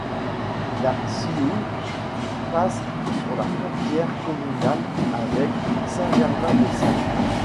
La Sioule passe sur la frontière communale avec Saint-Germain-de-Salles.